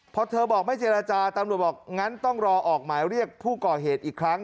พอเธอบอกไม่เจรจาตำรวจบอกงั้นต้องรอออกหมายเรียกผู้ก่อเหตุอีกครั้ง